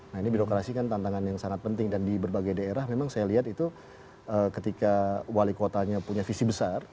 nah ini birokrasi kan tantangan yang sangat penting dan di berbagai daerah memang saya lihat itu ketika wali kotanya punya visi besar